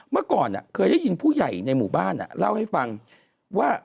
เมื่อก่อนเคยได้ยินผู้ใหญ่ในหมู่บ้านเล่าให้ฟังว่า